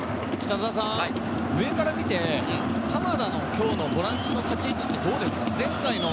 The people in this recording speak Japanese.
上から見て、鎌田の今日のボランチの立ち位置はどうですか？